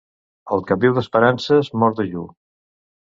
El que viu d'esperances mor dejú.